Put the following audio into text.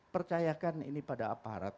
percayakan ini pada aparat